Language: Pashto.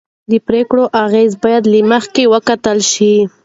د پرېکړو اغېز باید له مخکې وکتل شي